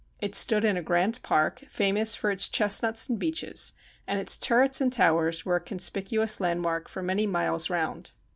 It stood in a grand park, famous for its chestnuts and beeches, and its turrets and towers were a conspicuous landmark for many miles round.